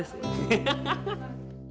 ハハハハ！